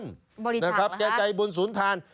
บริจาคเหรอครับแกใจบุญสุนทาน